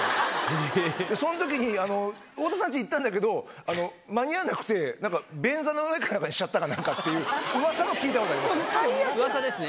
そのときに、太田さんちに行ったんだけど、間に合わなくて、便座の上にしちゃったかなんかっていう、うわさも聞いたことありうわさですね？